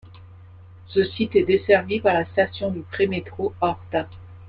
Ce site est desservi par la station de prémétro Horta.